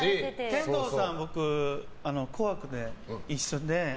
天童さんは、「紅白」で一緒で。